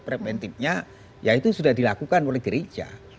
preventifnya ya itu sudah dilakukan oleh gereja